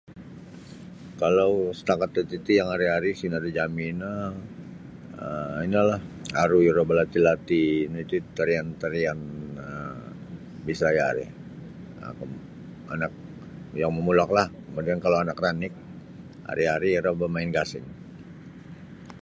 Kalau setakat tatiti yang ari'-ari' sino da jami' no um inolah aru iro berlatih-latih nu iti tarian -tarian Bisaya ri anak yang momuloklah kemudian kalau anak ranik ari'-ari' iro bamain gasing.